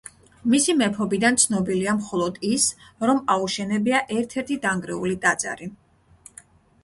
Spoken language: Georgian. მისი მეფობიდან ცნობილია მხოლოდ ის, რომ აუშენებია ერთ-ერთი დანგრეული ტაძარი.